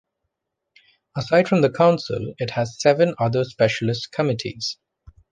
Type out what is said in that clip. Aside from the Council, it has seven other specialist committees.